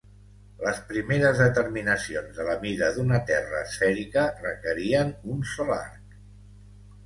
Les primeres determinacions de la mida d'una terra esfèrica requerien un sol arc.